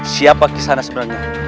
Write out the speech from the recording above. siapa kisana sebenarnya